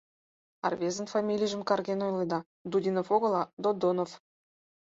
— А рвезын фамилийжым карген ойледа: Дудинов огыл, а Додонов.